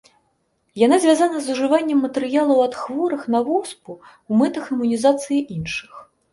Яна звязана з ужываннем матэрыялаў ад хворых на воспу ў мэтах імунізацыі іншых.